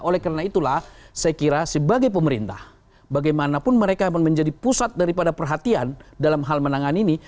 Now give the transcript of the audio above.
oleh karena itulah saya kira sebagai pemerintah bagaimanapun mereka menjadi pusat daripada perhatian dalam hal menangan ini